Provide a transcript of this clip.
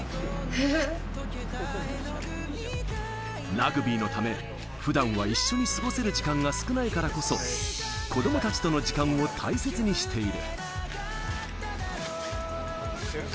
ラグビーのため、普段は一緒に過ごせる時間が少ないからこそ、子どもたちとの時間を大切にしている。